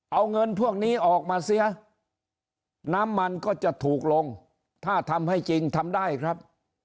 เอาเงินพวกนี้ออกมาเสียน้ำมันก็จะถูกลงถ้าทำให้จริงทำได้ครับ